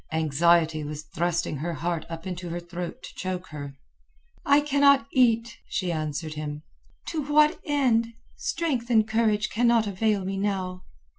Anxiety was thrusting her heart up into her throat to choke her. "I cannot eat," she answered him. "To what end? Strength and courage cannot avail me now."